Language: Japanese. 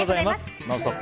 「ノンストップ！」